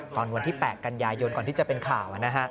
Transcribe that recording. วันที่๘กันยายนก่อนที่จะเป็นข่าวนะฮะ